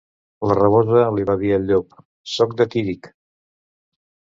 La rabosa li va dir al llop: «Soc de Tírig».